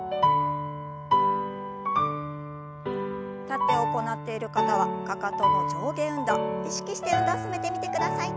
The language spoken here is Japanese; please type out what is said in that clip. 立って行っている方はかかとの上下運動意識して運動を進めてみてください。